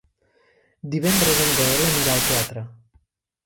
Divendres en Gaël anirà al teatre.